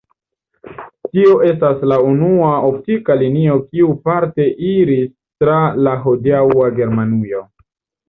Tio estas la unua optika linio kiu parte iris tra la hodiaŭa Germanujo.